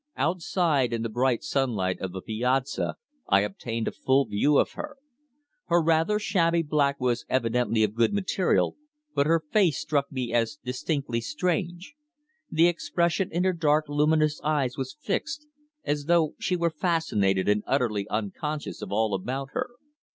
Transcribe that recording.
Outside in the bright sunlight of the Piazza, I obtained a full view of her. Her rather shabby black was evidently of good material, but her face struck me as distinctly strange. The expression in her dark luminous eyes was fixed, as though she were fascinated and utterly unconscious of all about her.